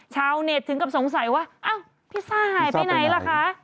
ชาวเน็ตถึงกับสงสัยว่าอ้าวพิซซ่าหายไปไหนล่ะคะ